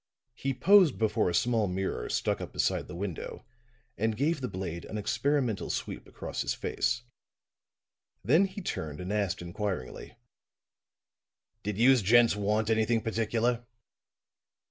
He posed before a small mirror stuck up beside the window and gave the blade an experimental sweep across his face. Then he turned and asked inquiringly: "Did youse gents want anything particular?"